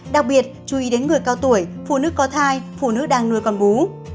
đặc biệt chú ý đến người cao tuổi phụ nữ có thai phụ nữ đang nuôi con bú